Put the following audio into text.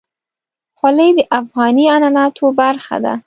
خولۍ د افغاني عنعناتو برخه ده.